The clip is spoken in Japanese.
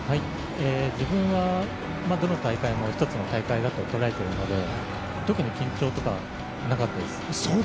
自分はどの大会も１つの大会だと捉えているので、特に緊張とかなかったです。